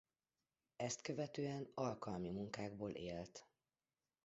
Ezt követően alkalmi munkákból élt.